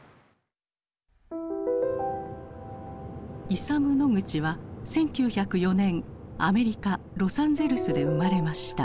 イサム・ノグチは１９０４年アメリカ・ロサンゼルスで生まれました。